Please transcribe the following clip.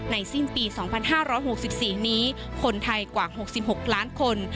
สิ้นปี๒๕๖๔นี้คนไทยกว่า๖๖ล้านคน